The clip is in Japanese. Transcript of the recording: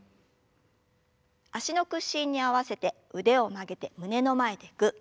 脚の屈伸に合わせて腕を曲げて胸の前でぐっ。